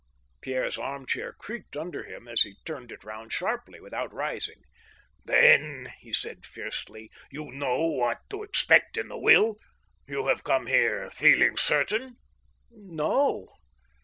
Pierre's arm chair creaked under him as he turned it round sharp ly, without rising. " Theij," said he fiercely, "you know what to expect in the will? ... you have come here feeling certain." No.